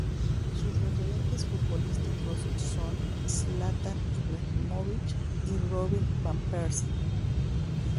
Sus referentes futbolísticos son Zlatan Ibrahimović y Robin Van Persie.